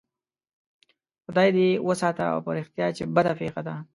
خدای دې وساته او په رښتیا چې بده پېښه ده.